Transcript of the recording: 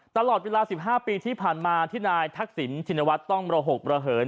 ตลอดเวลา๑๕ปีที่ผ่านมาที่นายทักษิณชินวัฒน์ต้องระหกระเหิน